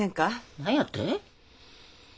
何やて？